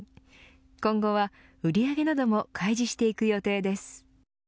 今後は売り上げなども開示していく予定です。